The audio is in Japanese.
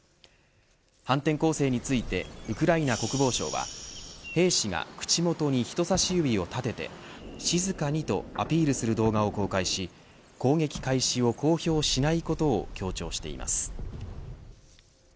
反転攻勢についてウクライナ国防省は兵士が口元に人さし指を立てて静かにとアピールする動画を公開し攻撃開始を公表しないことを強調しています。